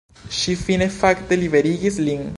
Ŝi fine fakte liberigis lin.